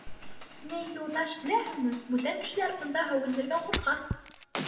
— Ни, Юлдаш, беләһеңме, бүтән кешеләр унда һыу инергә ҡурҡа.